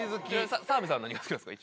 澤部さんは何が好きなんですか？